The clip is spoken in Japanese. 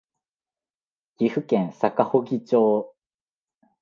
岐阜県坂祝町